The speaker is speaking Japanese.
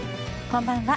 こんばんは。